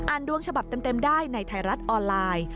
ดวงฉบับเต็มได้ในไทยรัฐออนไลน์